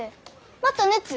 また熱？